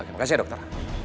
makasih ya dokter